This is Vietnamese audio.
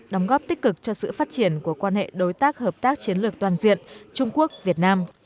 đóng góp tích cực cho sự phát triển của quan hệ đối tác hợp tác chiến lược toàn diện trung quốc việt nam